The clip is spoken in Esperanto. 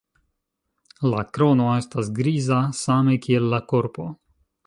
La krono estas griza same kiel la korpo.